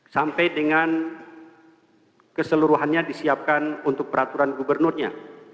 sampai dengan keseluruhannya disiapkan untuk peraturan gubernurnya